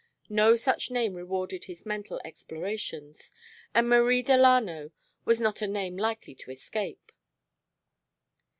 No such name rewarded his mental explorations, and Marie Delano was not a name likely to escape.